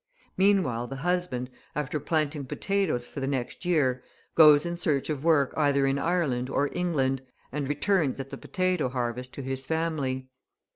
Meanwhile the husband, after planting potatoes for the next year, goes in search of work either in Ireland or England, and returns at the potato harvest to his family.